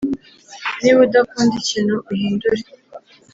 “niba udakunda ikintu, uhindure”